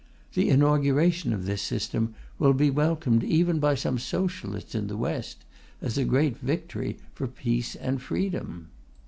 The inauguration of this system will be welcomed even by some Socialists in the West as a great victory for peace and freedom.